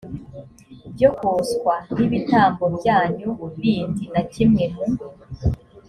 byo koswa n ibitambo byanyu bindi na kimwe mu